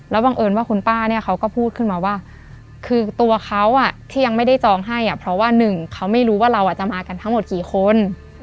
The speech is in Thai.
บังเอิญว่าคุณป้าเนี่ยเขาก็พูดขึ้นมาว่าคือตัวเขาที่ยังไม่ได้จองให้เพราะว่าหนึ่งเขาไม่รู้ว่าเราจะมากันทั้งหมดกี่คน